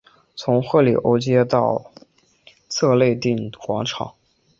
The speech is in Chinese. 从赫里欧街到策肋定广场。